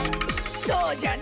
そうじゃな！